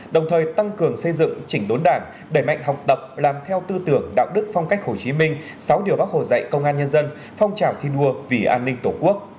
đồng thời tăng cường xây dựng chỉnh đốn đảng đẩy mạnh học tập làm theo tư tưởng đạo đức phong cách hồ chí minh sáu điều bác hồ dạy công an nhân dân phong trào thi đua vì an ninh tổ quốc